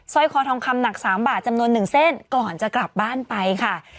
ร้อยคอทองคำหนัก๓บาทจำนวน๑เส้นก่อนจะกลับบ้านไปค่ะ